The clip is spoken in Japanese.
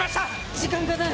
時間がない！